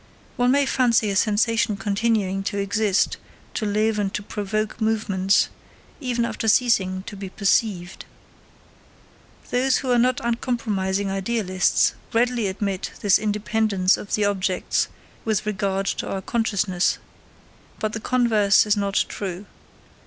One may fancy a sensation continuing to exist, to live and to provoke movements, even after ceasing to be perceived. Those who are not uncompromising idealists readily admit this independence of the objects with regard to our consciousness, but the converse is not true.